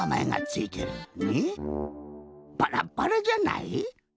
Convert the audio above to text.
バラバラじゃない？